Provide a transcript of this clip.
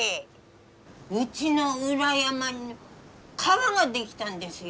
うちの裏山に川が出来たんですよ。